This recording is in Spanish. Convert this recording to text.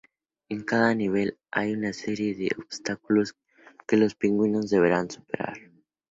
En cada nivel hay una serie de obstáculos que los pingüinos deberán superar.